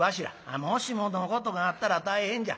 もしものことがあったら大変じゃ。